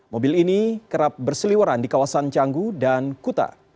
mobil ini kerap berseliwaran di kawasan canggu dan kuta